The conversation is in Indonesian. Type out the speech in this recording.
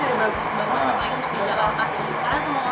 aku kayak pasisnya gak bobot terus keretanya juga cepat